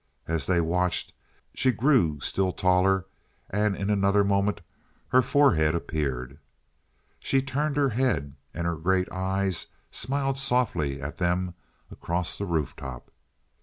As they watched she grew still taller and in another moment her forehead appeared. She turned her head, and her great eyes smiled softly at them across the roof top.